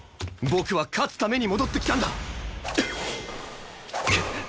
僕は勝つために戻ってきたんだ！うっ！